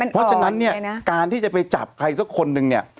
เพราะฉะนั้นเนี่ยการที่จะไปจับใครสักคนนึงเนี่ย